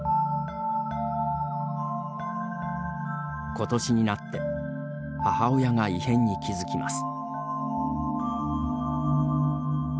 ことしになって母親が異変に気付きます。